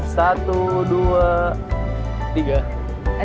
satu dua tiga